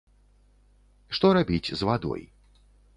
Што рабіць з вадой.